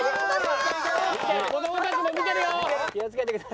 子供たちも見てるよ！